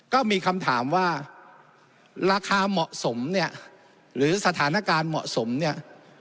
ก็มีคำถามว่าราคาเหมาะสมเนี่ยหรือสถานการณ์เหมาะสมเนี่ย